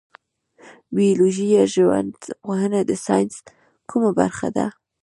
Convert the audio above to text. بیولوژي یا ژوند پوهنه د ساینس کومه برخه ده